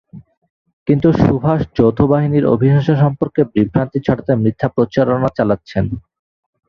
কিন্তু সুভাষ যৌথ বাহিনীর অভিযান সম্পর্কে বিভ্রান্তি ছড়াতে মিথ্যা প্রচারণা চালাচ্ছেন।